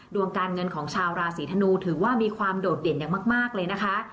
ดวงการเงินของชาวราศีธนูถือว่ามีความโดดเด่นอย่างมากเลยนะคะ